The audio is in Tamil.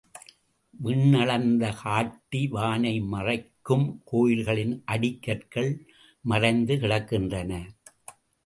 விண்ணளந்து காட்டி வானை மறைக்கும் கோயில்களின் அடிக்கற்கள் மறைந்து கிடக்கின்றன.